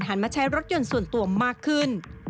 มาใช้รถยนต์ส่วนตัวมากขึ้น